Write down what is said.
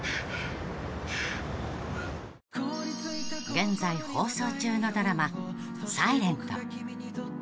［現在放送中のドラマ『ｓｉｌｅｎｔ』］